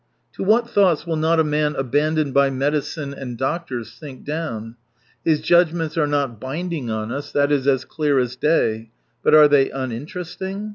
To what 213 thoughts will not a man abandoned by medicine and doctors sink down ! His judgments are not binding on us, that is as clear as day. But are they uninteresting